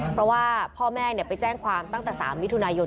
เพราะว่าพ่อแม่ไปแจ้งความตั้งแต่๓มิถุนายน